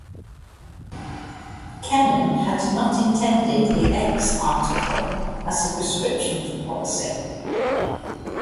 Kennan had not intended the "X" article as a prescription for policy.